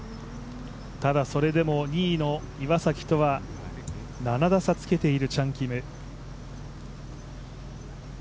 ただ、それでも２位の岩崎とは７打差つけているチャン・キム。